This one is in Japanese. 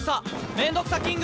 面倒くさキング！